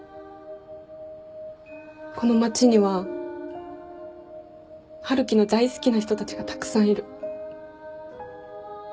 この街には春樹の大好きな人たちがたくさんいる。